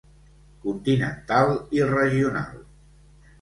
Continental i Regional.